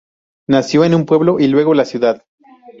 Nació un pueblo y luego, la ciudad.